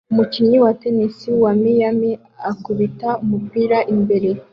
Umukinnyi wa tennis wa Miami akubita umupira imbere